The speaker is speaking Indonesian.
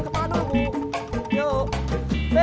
per pergi per